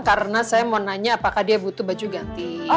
karena saya mau nanya apakah dia butuh baju ganti